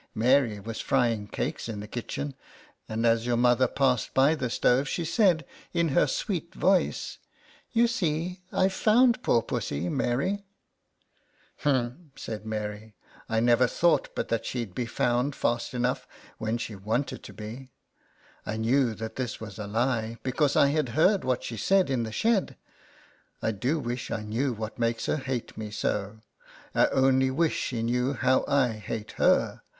Mary was frying cakes in the kitchen, and as your mother passed by the stove LETTERS FROM A CAT. 51 she said in her sweet voice, " You see I've found poor pussy, Mary/' " Humph," said Mary, " I never thought but that she'd be found fast enough when she wanted to be !' I knew that this was a lie, because I had heard what she said in the shed. I do wish I knew what makes her hate me so : I only wish she knew how I hate her.